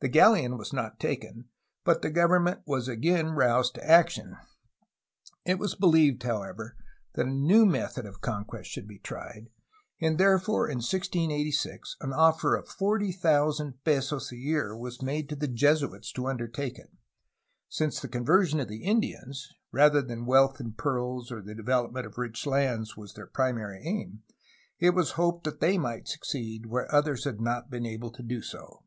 The galleon was not taken, but the government was again roused to action. It was believed, 172 THE JESUITS IN BAJA CALIFORNIA, 1697 1768 173 however, that a new method of conquest should be tried, and therefore in 1686 an offer of 40,000 pesos a year was made to the Jesuits to imdertake it; since the conversion of the Indians, rather than wealth in pearls or the development of rich lands, was their primary aim, it was hoped that they might succeed where others had not been able to do so.